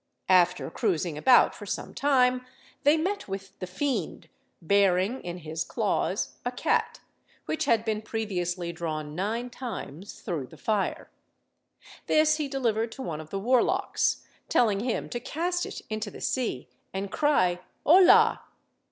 After cruising about for some time, they met with the fiend, bearing in his claws a cat, which had been previously drawn nine times through the fire. This he delivered to one of the warlocks, telling him to cast it into the sea and cry "Hola!"